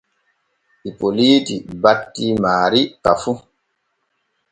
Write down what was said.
Ipoliiti batii maari ka fu.